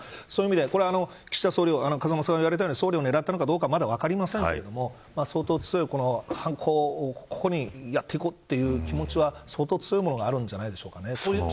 これは岸田さん、総理を狙ったのかどうかはまだ分かりませんが相当強い、犯行をやっていくという気持ちは相当強いものがあるんじゃないでしょうか。